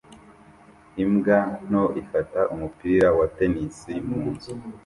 Imbwa nto ifata umupira wa tennis mu nzu